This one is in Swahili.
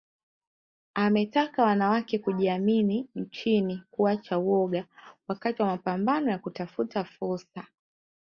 Ametaka wanawake kujiamini nchini kuacha woga wakati wa mapambano ya kutafuta fursa